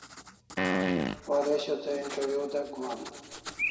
Waresho te interview dek gohan